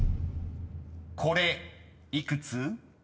［これ幾つ？］